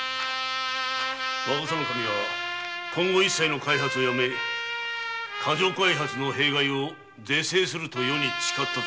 若狭守は今後一切の開発をやめ過剰開発の弊害を是正すると余に誓ったぞ。